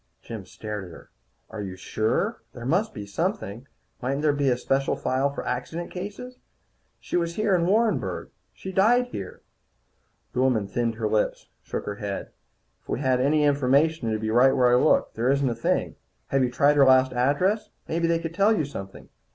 Jim stared at her. "Are you sure? There must be something. Mightn't there be a special file for accident cases? She was here in Warrenburg. She died here." The woman thinned her lips, shook her head. "If we had any information, it'd be right where I looked. There isn't a thing. Have you tried her last address? Maybe they could tell you something.